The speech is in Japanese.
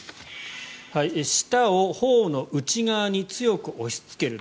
舌を頬の内側に強く押しつける。